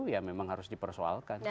ya memang harus dipersoalkan